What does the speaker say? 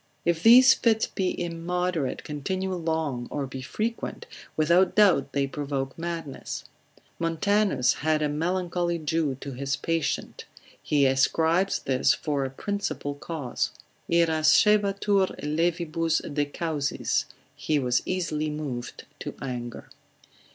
If these fits be immoderate, continue long, or be frequent, without doubt they provoke madness. Montanus, consil. 21, had a melancholy Jew to his patient, he ascribes this for a principal cause: Irascebatur levibus de causis, he was easily moved to anger.